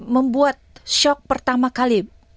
membuat shock pertama kali